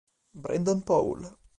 Brandon Paul